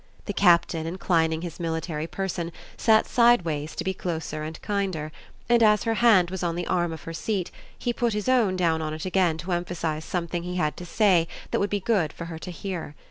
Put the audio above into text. The Captain, inclining his military person, sat sideways to be closer and kinder, and as her hand was on the arm of her seat he put his own down on it again to emphasise something he had to say that would be good for her to hear.